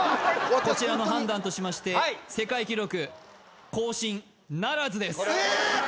こちらの判断としまして世界記録更新ならずですえっ！